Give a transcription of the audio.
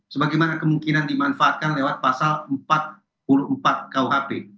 sebagaimana kemungkinan dimanfaatkan lewat pasal empat puluh empat kuhp